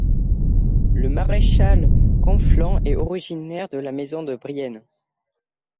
Le maréchal Conflans est originaire de la maison de Brienne.